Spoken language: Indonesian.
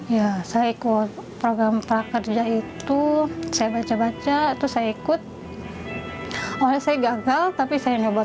ya saya ikut program prakerja itu saya baca baca terus saya ikut awalnya saya gagal tapi saya nyobot